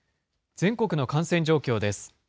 全国の感染状況です。